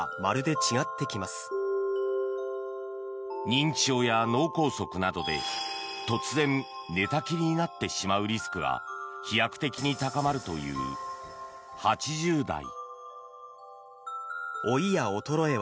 認知症や脳梗塞などで突然寝たきりになってしまうリスクが飛躍的に高まるという８０代。